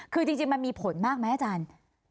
คือจริงมันมีผลมากไหมอาจารย์